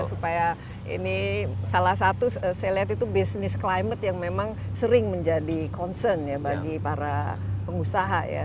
supaya ini salah satu saya lihat itu bisnis climate yang memang sering menjadi concern ya bagi para pengusaha ya